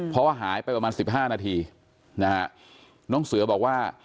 เพราะว่าหายไปประมาณ๑๕นาทีน้องเสือบอกว่า